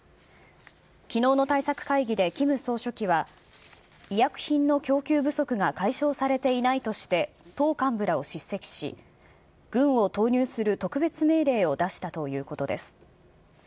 きのうの対策会議でキム総書記は、医薬品の供給不足が解消されていないとし、党幹部らを叱責し、軍を投入する特別命令を出したということです。